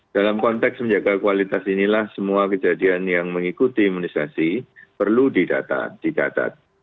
dalam konteks menjaga kualitas inilah semua kejadian yang mengikuti imunisasi perlu didata